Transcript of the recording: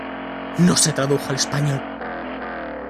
No se tradujo al español.